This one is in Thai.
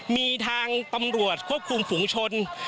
มีทางตำรวจควบคุมฝุงชน